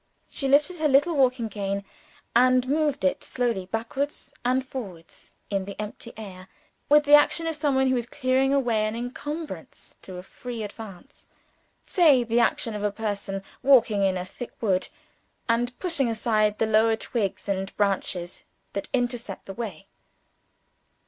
She lifted her little walking cane, and moved it slowly backwards and forwards in the empty air, with the action of some one who is clearing away an encumbrance to a free advance say the action of a person walking in a thick wood, and pushing aside the lower twigs and branches that intercept the way.